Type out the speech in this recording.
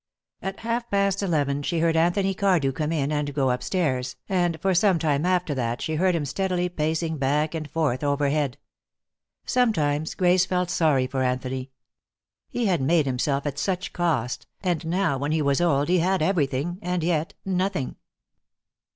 At half past eleven she heard Anthony Cardew come in and go upstairs, and for some time after that she heard him steadily pacing back and forth overhead. Sometimes Grace felt sorry for Anthony. He had made himself at such cost, and now when he was old, he had everything and yet nothing.